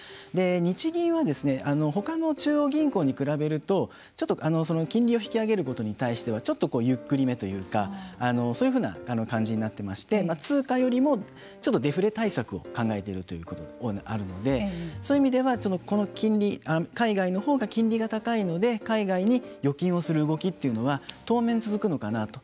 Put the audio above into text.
日銀はほかの中央銀行に比べるとちょっと金利を引き上げることに対してはちょっとゆっくりめというかそういうふうな感じになっていまして通貨よりもちょっとデフレ対策を考えているということがあるのでそういう意味では、この金利海外のほうが金利が高いので海外に預金をする動きというのは当面、続くのかなと。